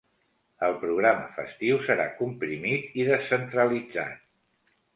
El programa festiu serà comprimit i descentralitzat.